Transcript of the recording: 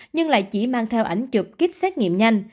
nhưng lại chỉ mang theo ảnh chụp kích xét nghiệm nhanh